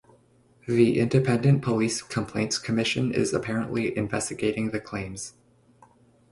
The Independent Police Complaints Commission is apparently investigating the claims.